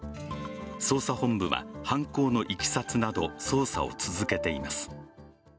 捜査本部は犯行のいきさつなど捜査を続けています。